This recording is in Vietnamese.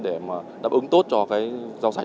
để phục vụ cho người dân gieo cấy vụ đông xuân